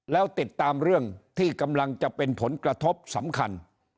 แล้วติดตามเรื่องที่กำลังจะเป็นผลกระทบสำคัญ